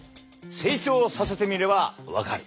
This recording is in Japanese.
成長させてみれば分かる。